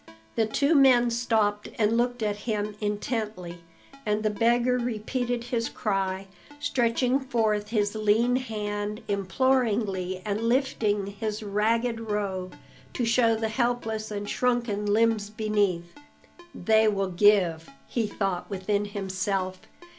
The two men stopped and looked at him intently, and the beggar repeated his cry, stretching forth his lean hand imploringly and lifting his ragged robe to show the helpless and shrunken limbs beneath. "They will give," he thought within himself.